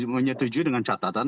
menyetujui dengan catatan